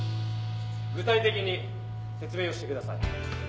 具体的に説明をしてください。